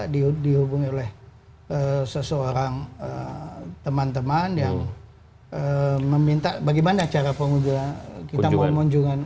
dihubungi oleh seseorang teman teman yang meminta bagaimana cara pengunjungan